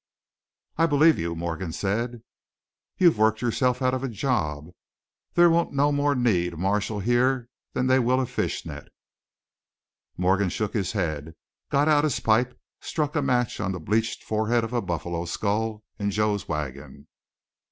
"I believe you," Morgan said. "You've worked yourself out of a job. They won't no more need a marshal here'n they will a fish net." Morgan shook his head, got out his pipe, struck a match on the bleached forehead of a buffalo skull in Joe's wagon.